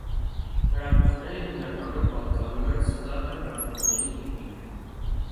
Հրաբուխները հիմնականում պատկանում են ստրատոհրաբուխների տիպին։